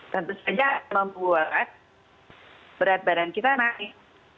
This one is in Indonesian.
tentu saja membuat berat badan kita naik